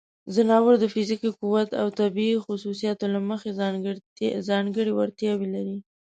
ځناور د فزیکي قوت او طبیعی خصوصیاتو له مخې ځانګړې وړتیاوې لري.